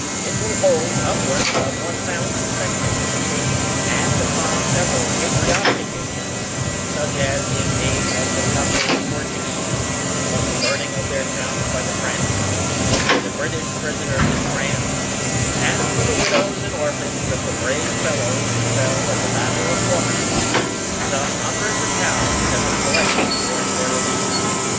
It will hold upwards of 1000 spectators; and, upon several patriotic occasions, such as in aid of the suffering Portuguese from the burning" of their towns by the French, for the British prisoners in France, and for the widows and orphans of the brave fellows who fell at the Battle of Waterloo, some hundreds of pounds have been collected to wards their relief.